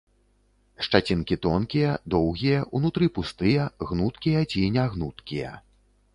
Шчацінкі тонкія, доўгія, унутры пустыя, гнуткія ці нягнуткія.